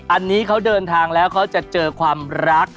อันนี้เขาเดินทางแล้วเขาจะเจอความรัก